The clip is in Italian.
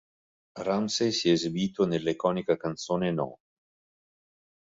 Ramsey si è esibito nella iconica canzone No.